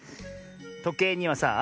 とけいにはさあ